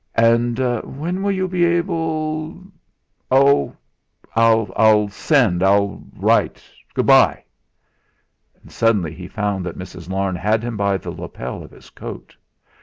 "And when will you be able ?" "Oh! I'll I'll send I'll write. Good bye!" And suddenly he found that Mrs. Larne had him by the lapel of his coat.